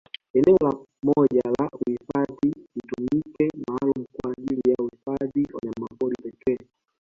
Eneo moja la uhifadhi litumike maalum kwa ajili ya uhifadhi wanyamapori pekee